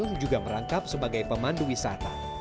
yang juga merangkap sebagai pemandu wisata